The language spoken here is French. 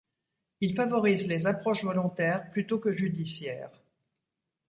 Ils favorisent les approches volontaires plutôt que judiciaires.